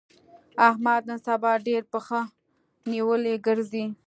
احمد نن سبا ډېر پښه نيولی ګرځي.